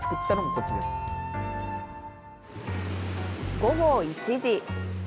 午後１時。